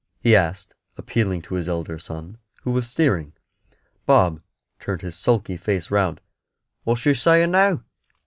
he asked, appealing to his elder son, who was steering. Bob turned his sulky face round. "What's she saying now?"